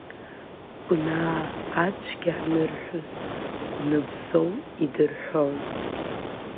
Гәнаа ацәгьа анырҳәоз, Гәны Бзоу идырҳәон.